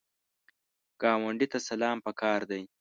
ګاونډي ته سلام پکار دی